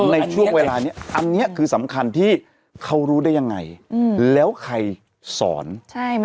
ในช่วงเวลานี้อันนี้คือสำคัญที่เขารู้ได้ยังไงแล้วใครสอนใช่ไหม